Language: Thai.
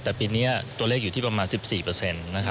แต่ปีนี้ตัวเลขอยู่ที่ประมาณ๑๔